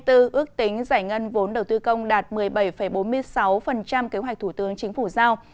ước tính giải ngân vốn đầu tư công đạt một mươi bảy bốn mươi sáu kế hoạch thủ tướng chính phủ giao